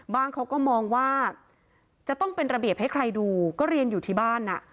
เขาก็มองว่าจะต้องเป็นระเบียบให้ใครดูก็เรียนอยู่ที่บ้าน